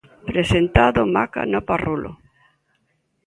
Presentado Maca no Parrulo.